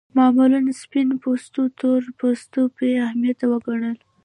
معمول سپین پوستو تور پوستان بې اهمیت وګڼل.